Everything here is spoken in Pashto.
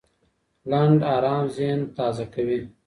لنډ ارام ذهن تازه کوي.